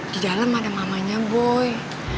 di dalam ada mamanya boy